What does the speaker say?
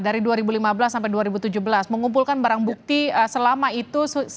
dari dua ribu lima belas sampai dua ribu tujuh belas mengumpulkan barang bukti selama itu